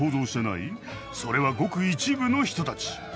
それはごく一部の人たち。